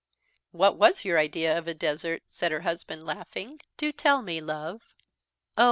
"What was your idea of a desert?" said her husband, laughing. "Do tell me, love." "Oh!